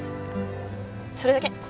それだけ。